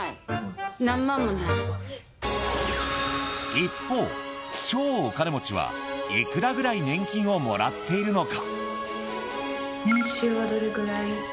一方、超お金持ちはいくらぐらい年金をもらっているのか。